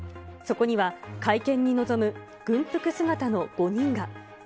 そこには、会見に臨む軍服姿の５人が。